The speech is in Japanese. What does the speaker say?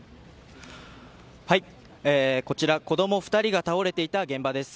こちら子供２人が倒れていた現場です。